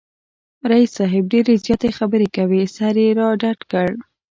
رییس صاحب ډېرې زیاتې خبری کوي، سر یې را ډډ کړ